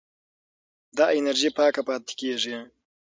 دا انرژي پاکه پاتې کېږي.